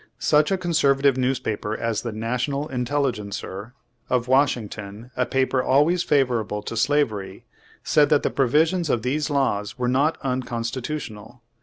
Such a conservative newspaper as the National Intelligencer, of Washington, a paper always favorable to slavery, said that the pro visions of these laws were not unconstitutional.